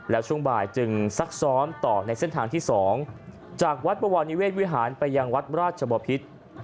แล้วช่วงบ่ายจึงซักซ้อมต่อในเส้นทางที่๒จากวัดบวรนิเวศวิหารไปยังวัดราชบพิษ